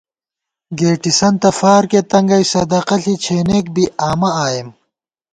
گېٹسَنتہ فارکے تنگَئ صدقہ ݪی ، چھېنېک بی آمہ آئېم